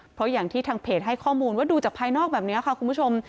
เพราะอย่างที่ทางเพจให้ข้อมูลว่าดูจากภายนอกแบบนี้ค่ะคุณผู้ชม